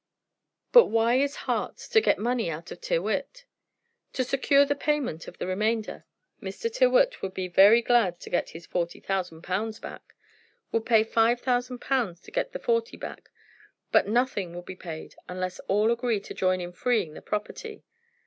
"But why is Hart to get money out of Tyrrwhit?" "To secure the payment of the remainder. Mr. Tyrrwhit would be very glad to get his forty thousand pounds back; would pay five thousand pounds to get the forty back. But nothing will be paid unless they all agree to join in freeing the property.